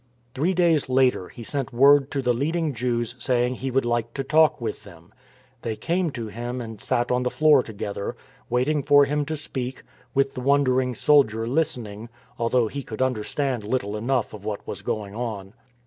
Three days later he sent word to the leading Jews saying that he would like to talk with them. They came to him and sat on the floor together, waiting for him to speak, with the wondering soldier listening, although he could understand little enough of what was going on.